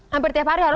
hampir tiap hari harus